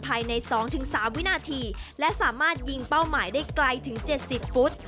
ภายใน๒๓วินาทีและสามารถยิงเป้าหมายได้ไกลถึง๗๐ฟุต